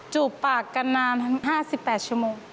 จูบปากกันนานห้าสิบแปดชั่วโมง